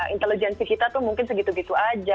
intelijensi kita tuh mungkin segitu gitu aja